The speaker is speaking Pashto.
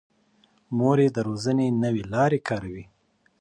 مور یې د روزنې نوې لارې کاروي.